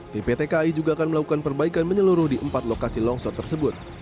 tpt kai juga akan melakukan perbaikan menyeluruh di empat lokasi longsor tersebut